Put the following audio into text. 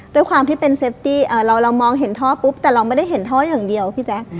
ด้วยความที่เป็นเซฟตี้เรามองเห็นท่อปุ๊บแต่เราไม่ได้เห็นท่ออย่างเดียวพี่แจ๊ค